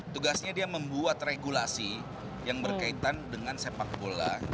tugasnya dia membuat regulasi yang berkaitan dengan sepak bola